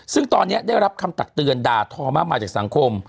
ซึ่งตอนนี้ได้รับคำตักเตือนด่าทอมากมายจากสังคม